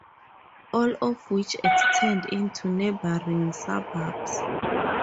All of which extend into neighbouring suburbs.